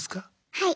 はい。